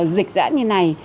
dịch dã như này